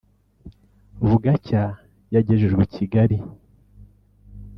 bugacya yagejejwe i Kigali